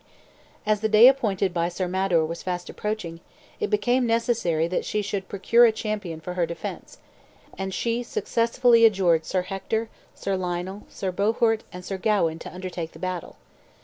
As the day appointed by Sir Mador was fast approaching, it became necessary that she should procure a champion for her defence; and she successively adjured Sir Hector, Sir Lionel, Sir Bohort, and Sir Gawain to undertake the battle.